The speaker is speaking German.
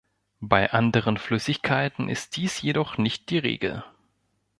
Bei anderen Flüssigkeiten ist dies jedoch nicht die Regel.